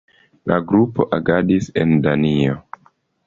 La grupo agadis en Danio.